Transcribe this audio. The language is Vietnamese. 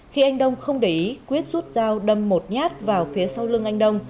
khi anh đông không để ý quyết rút dao đâm một nhát vào phía sau lương anh đông